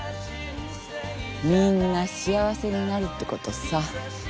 みんな幸せになるってことさ。